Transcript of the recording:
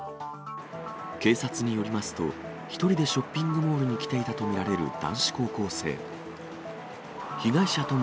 警察によりますと、１人でショッピングモールに来ていたと見られる男子高校生。